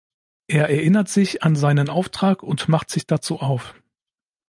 Er erinnert sich an seinen Auftrag und macht sich dazu auf.